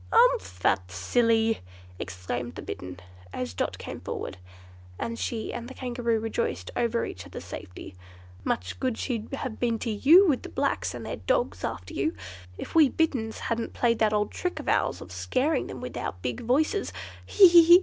"Umph, that silly!" exclaimed the Bittern, as Dot came forward, and she and the Kangaroo rejoiced over each other's safety. "Much good she'd have been to you with the blacks, and their dogs after you, if we Bitterns hadn't played that old trick of ours of scaring them with our big voices. He! he! he!"